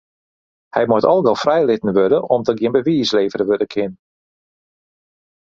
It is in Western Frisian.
Hy moat al gau frijlitten wurde om't der gjin bewiis levere wurde kin.